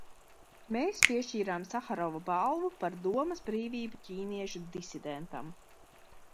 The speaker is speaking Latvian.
Mēs piešķīrām Saharova balvu par domas brīvību ķīniešu disidentam.